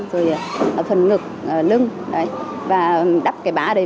rồi phần ngực lưng và đắp cái bá đấy